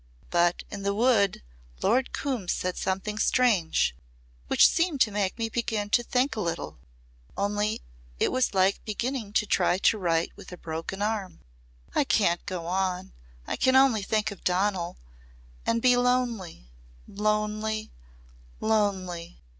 But in the Wood Lord Coombe said something strange which seemed to make me begin to think a little. Only it was like beginning to try to write with a broken arm. I can't go on I can only think of Donal And be lonely lonely lonely."